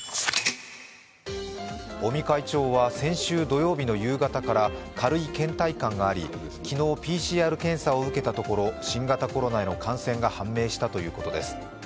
尾身会長は先週土曜日の夕方から軽いけん怠感があり、昨日ＰＣＲ検査を受けたところ、新型コロナへの感染が判明したということです。